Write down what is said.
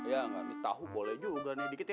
ya gak ditahu boleh juga nih dikit ya